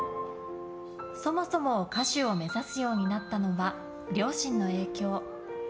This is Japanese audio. そもそも歌手を目指すようになったのは両親の影響。